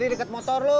sumitinigail mu batsalam